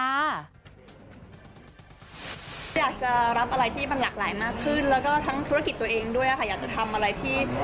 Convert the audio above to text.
แล้วก็มีละครบ้างแต่ว่าอยู่ในช่วงของการพูดคุยกันอยู่